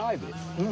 うん。